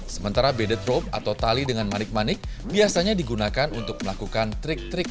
sementara beded rope atau tali dengan manik manik biasanya digunakan untuk melakukan trik trik